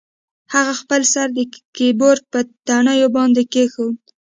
هغه خپل سر د کیبورډ په تڼیو باندې کیښود